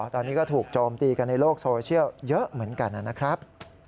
ตอนนี้ก็ถูกโจมตีกันในโลกโซเชียลเยอะเหมือนกันนะครับ